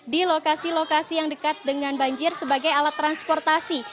di lokasi lokasi yang dekat dengan banjir sebagai alat transportasi